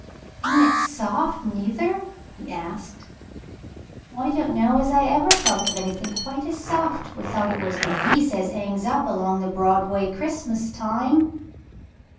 "Ain't it soft, neither," he answered. "I don't know as ever I felt of anythink quite as soft without it was the geese as 'angs up along the Broadway Christmas time."